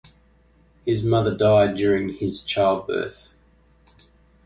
His mother died during his childbirth.